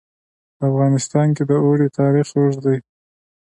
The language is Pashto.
په افغانستان کې د اوړي تاریخ اوږد دی.